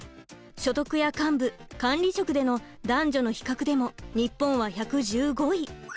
所得や幹部管理職での男女の比較でも日本は１１５位。